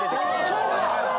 あそうか！